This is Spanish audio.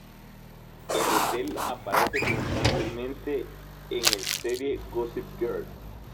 El hotel aparece constantemente en el serie "Gossip Girl".